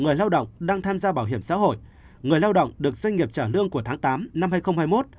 người lao động đang tham gia bảo hiểm xã hội người lao động được doanh nghiệp trả lương của tháng tám năm hai nghìn hai mươi một